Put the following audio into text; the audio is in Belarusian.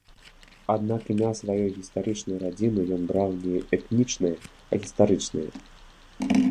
Аднак імя сваёй гістарычнай радзімы ён браў не этнічнае, а гістарычнае.